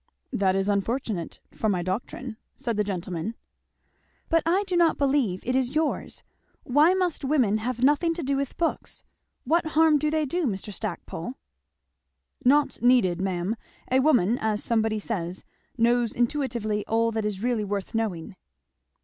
"That is unfortunate for my doctrine," said the gentleman. "But I do not believe it is yours. Why must women have nothing to do with books? what harm do they do, Mr. Stackpole?" "Not needed, ma'am, a woman, as somebody says, knows intuitively all that is really worth knowing."